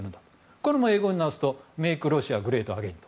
これも英語に直すとメイクロシアグレートアゲイン。